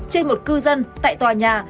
trên một cư dân tại tòa nhà